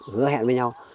hứa hẹn với nhau